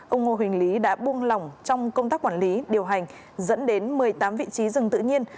ông ngô huỳnh lý đã buông lỏng trong công tác quản lý điều hành dẫn đến một mươi tám vị trí rừng tự nhiên